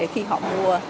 khi họ mua